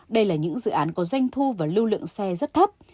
đây là những dự án có doanh thu và lưu lượng xe rất thấp